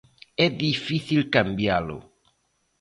É difícil cambialo.